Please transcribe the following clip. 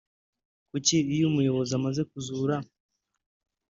kuko iyo umuyoboro umaze kuzura